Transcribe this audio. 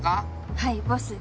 はいボス。